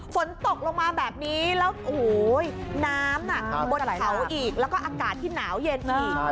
ฝนตกลงมาแบบนี้แล้วโอ้โหน้ำบนเขาอีกแล้วก็อากาศที่หนาวเย็นอีก